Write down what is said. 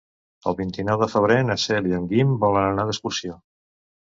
El vint-i-nou de febrer na Cel i en Guim volen anar d'excursió.